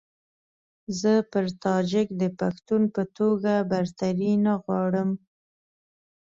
زه پر تاجک د پښتون په توګه برتري نه غواړم.